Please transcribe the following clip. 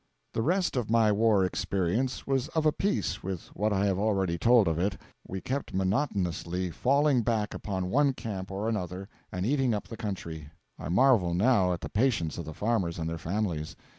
The rest of my war experience was of a piece with what I have already told of it. We kept monotonously falling back upon one camp or another, and eating up the country I marvel now at the patience of the farmers and their families.